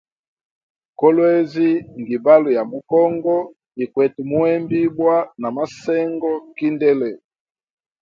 Kolwezi ngibalo ya mu kongo, ikwete muhembibwa na masengo kindele.